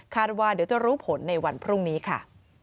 ว่าเดี๋ยวจะรู้ผลในวันพรุ่งนี้ค่ะ